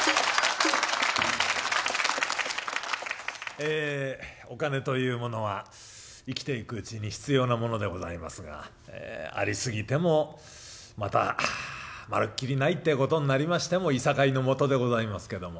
ええお金というものは生きていくうちに必要なものでございますがありすぎてもまたまるっきりないってことになりましてもいさかいのもとでございますけども。